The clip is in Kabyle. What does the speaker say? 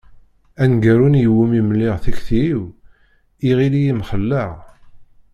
Aneggaru-nni iwumi mliɣ tikti-iw, iɣill-iyi mxelleɣ.